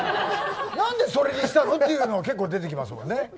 何でそれにしたのっていうのが結構出てきますね。